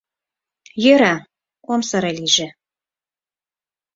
— Йӧра, ом сыре лийже...